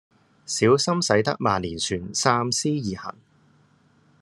小心駛得萬年船三思而行